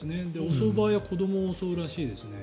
襲う場合は子どもを襲うらしいですね。